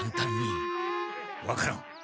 分からん。